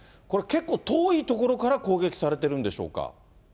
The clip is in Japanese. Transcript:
これ、結構遠い所から攻撃されてるんでしょうか？